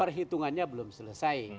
perhitungannya belum selesai